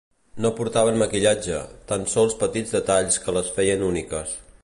No portaven maquillatge, tan sols petits detalls que les feien úniques.